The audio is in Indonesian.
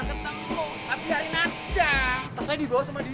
sampai gak ada sisa sama sekali